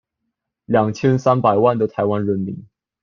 兩千三百萬的臺灣人民